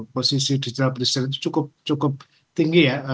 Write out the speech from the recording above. posisi digital itu cukup tinggi ya